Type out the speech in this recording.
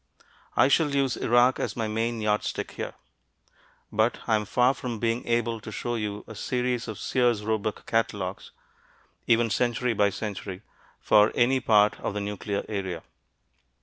I shall use Iraq as my main yard stick here. But I am far from being able to show you a series of Sears Roebuck catalogues, even century by century, for any part of the nuclear area.